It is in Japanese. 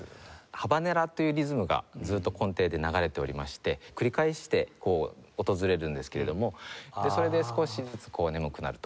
ハバネラというリズムがずっと根底で流れておりまして繰り返して訪れるんですけれどもそれで少しずつこう眠くなると。